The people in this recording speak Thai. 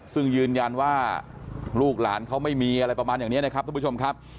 ซึ่งยืนยันว่าลูกหลานเขาไม่มีอะไรประมาณอย่างนี้นะครับทุกผู้ชมครับ